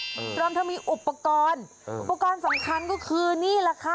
พร้อมทั้งมีอุปกรณ์อุปกรณ์สำคัญก็คือนี่แหละค่ะ